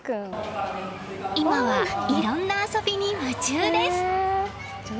今は、いろんな遊びに夢中です。